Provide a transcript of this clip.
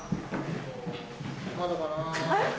まだかなぁ。